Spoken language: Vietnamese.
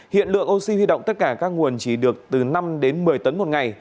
hiện lượng oxy huy động tất cả các nguồn chỉ được từ năm đến một mươi tấn một ngày